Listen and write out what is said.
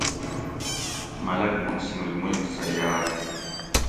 ملک محسن الملک صیا۟د